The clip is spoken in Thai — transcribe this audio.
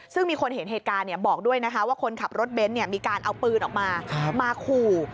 ซึ่งมีคนเห็นเหตุการณ์บอกด้วยนะคะว่าคนขับรถเบนท์มีการเอาปืนออกมามาขู่